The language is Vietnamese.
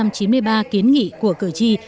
từ hai hai trăm chín mươi ba kiến nghị của cử tri